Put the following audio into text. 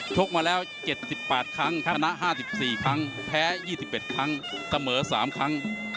กมาแล้ว๗๘ครั้งชนะ๕๔ครั้งแพ้๒๑ครั้งเสมอ๓ครั้ง